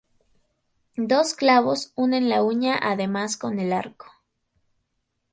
Dos clavos unen la uña además con el arco.